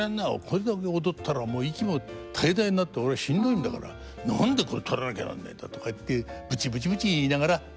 これだけ踊ったら息も絶え絶えになって俺はしんどいんだから何でこれ取らなきゃなんねえんだ」とかってブチブチブチ言いながら取ってくれたんです。